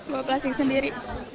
buat plastik sendiri